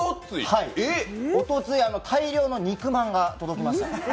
おとつい、大量の肉まんが届きました。